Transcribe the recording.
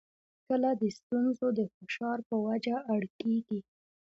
کله د ستونزو د فشار په وجه اړ کېږي.